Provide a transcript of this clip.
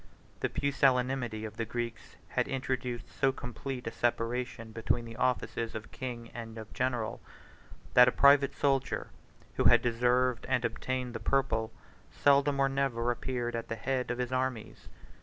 The pusillanimity of the Greeks had introduced so complete a separation between the offices of king and of general, that a private soldier, who had deserved and obtained the purple, seldom or never appeared at the head of his armies.